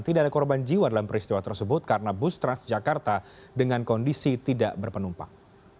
tidak ada korban jiwa dalam peristiwa tersebut karena bus transjakarta dengan kondisi tidak berpenumpang